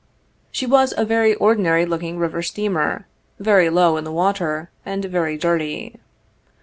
She was a very ordinary looking river steamer, very low in the water, and very dirty.